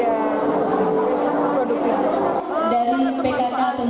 mau mengikuti kegiatan ini khususnya ibu ibu yang masih usia usia produktif